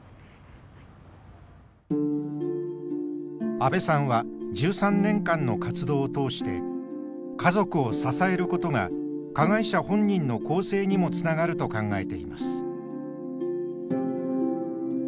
阿部さんは１３年間の活動を通して家族を支えることが加害者本人の更生にもつながると考えています。